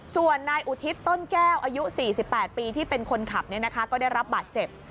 ส่วนนายอุทิศต้นแก้วอายุ๔๘ปีที่เป็นคนขับก็ได้รับบาดเจ็บ